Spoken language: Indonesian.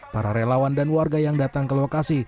para relawan dan warga yang datang ke lokasi